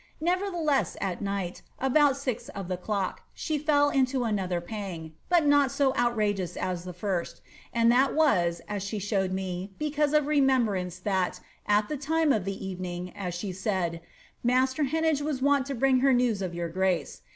Nevertheless, at night, about six of the clock, she fell into another pang, but not so outrageous as the first ; and that was (as she showed me), because of remoinbrance, that, at that time of the eTening, (as she said), master Heneage was wont to bring her news of your grace.